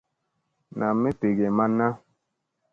Nam mi ɓegee man na.